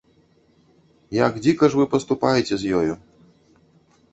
Як дзіка ж вы паступаеце з ёю.